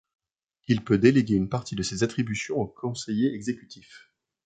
Il peut déléguer une partie de ses attributions aux conseillers exécutifs.